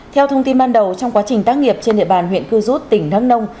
theo thông tin ban đầu trong quá trình tác nghiệp trên địa bàn huyện cư rút tỉnh đắk nông